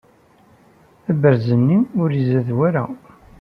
Abaraz-nni ur izad wara.